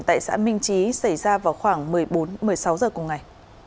tại xã minh chí xảy ra vào khoảng một mươi bốn một mươi sáu giờ cùng ngày